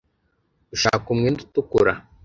ushaka umwenda utukura